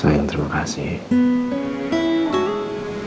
sayang terima kasih